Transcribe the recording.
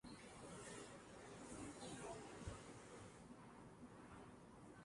This mixture gave Arborg a rich cultural diversity and its own distinct character.